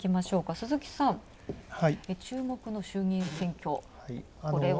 鈴木さん、注目の衆議院選挙、これは。